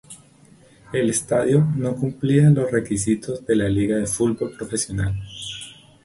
El estadio no cumplía los requisitos de la Liga de Fútbol Profesional.